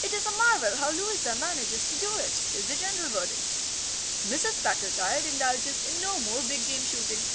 "It is a marvel how Louisa manages to do it," is the general verdict. Mrs. Packletide indulges in no more big game shooting.